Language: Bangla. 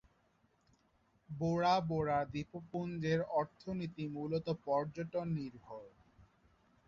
বোরা বোরা দ্বীপপুঞ্জের অর্থনীতি মূলত পর্যটন নির্ভর।